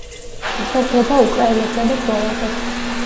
ესაზღვრება უკრაინასა და სლოვაკეთს.